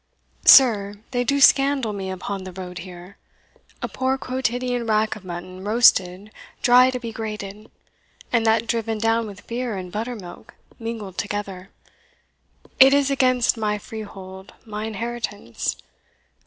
Sir, they do scandal me upon the road here! A poor quotidian rack of mutton roasted Dry to be grated! and that driven down With beer and butter milk, mingled together. It is against my freehold, my inheritance.